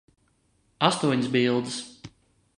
Astoņas bildes.